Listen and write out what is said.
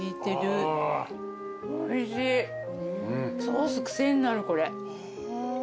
ソース癖になるこれ。